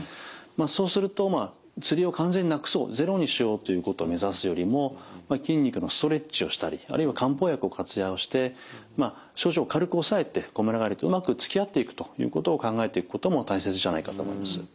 そうするとつりを完全になくそうゼロにしようということを目指すよりも筋肉のストレッチをしたりあるいは漢方薬を活用して症状を軽く抑えてこむら返りとうまくつきあっていくということを考えていくことも大切じゃないかと思います。